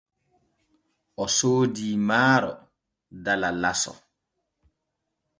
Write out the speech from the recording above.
O soodii maaro dala laso.